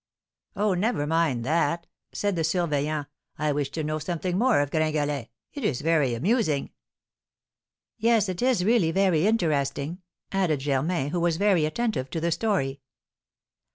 "Oh, never mind that!" said the surveillant. "I wish to know something more of Gringalet; it is very amusing!" "Yes, it is really very interesting!" added Germain, who was very attentive to the story.